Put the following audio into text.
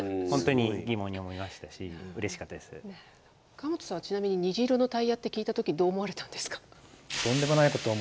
川本さんはちなみに虹色のタイヤって聞いた時どう思われたんですか？